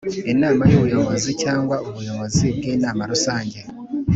Inama y Ubuyobozi cyangwa ubuyobozi bwinama rusange